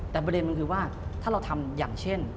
แต่ประเด็นมันคือว่าถ้าเราทำอย่างเช่น